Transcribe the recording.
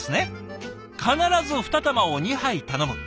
「必ず２玉を２杯頼む。